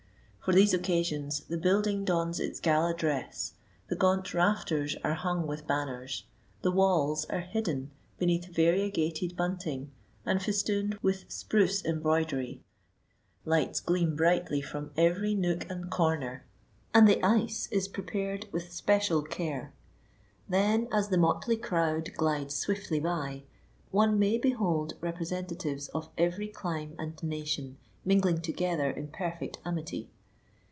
For these occasions the building dons its gala dress, the gaunt rafters are hung with banners, the walls are hidden beneath variegated bunting and festooned with spruce embroidery, lights gleam brightly from every nook and corner, and the ice is prepared with special care. Then, as the motley crowd glides swiftly by, one may behold representatives of every clime and nation mingling together in perfect amity.